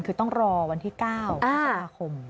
คือต้องรอวันที่๙คม